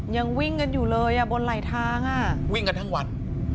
ยังวิ่งกันอยู่เลยอ่ะบนไหลทางอ่ะวิ่งกันทั้งวัด